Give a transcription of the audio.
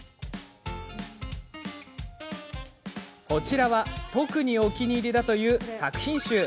こちらは特にお気に入りだという作品集。